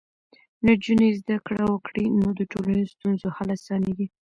نجونې زده کړه وکړي، نو د ټولنیزو ستونزو حل اسانېږي.